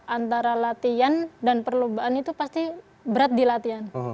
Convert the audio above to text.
antara latihan dan perlombaan itu pasti berat di latihan